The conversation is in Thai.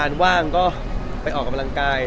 อ๋อน้องมีหลายคน